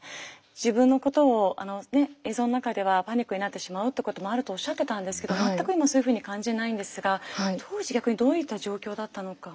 自分のことを映像の中ではパニックになってしまうってこともあるとおっしゃってたんですけど全く今そういうふうに感じないんですが当時逆にどういった状況だったのか。